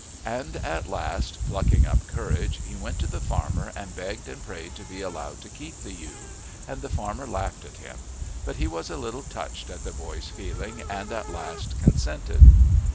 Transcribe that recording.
And at last, plucking up courage, he went to the farmer and begged and prayed to be allowed to keep the ewe, and the farmer laughed at him; but he was a little touched at the boy's feeling, and at last consented.